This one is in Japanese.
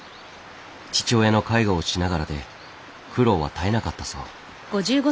父親の介護をしながらで苦労は絶えなかったそう。